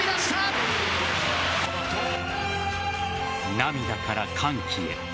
涙から歓喜へ。